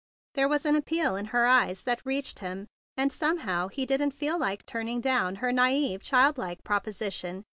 There was an appeal in her eyes that reached him; and somehow he didn't feel like turning down her naive, childlike proposition.